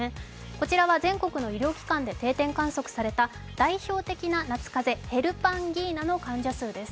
こちらは全国の医療機関で定点観測された代表的な夏風邪ヘルパンギーナの患者数です。